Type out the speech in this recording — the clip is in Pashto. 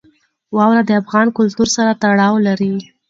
واوره د افغان کلتور سره تړاو لري.